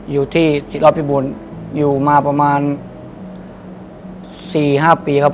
อยู่ที่ศิลพิบูรณ์อยู่มาประมาณ๔๕ปีครับ